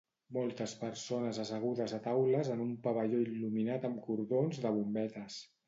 Moltes persones assegudes a taules en un pavelló il·luminat amb cordons de bombetes.